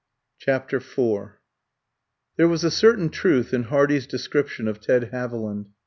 CHAPTER IV There was a certain truth in Hardy's description of Ted Haviland.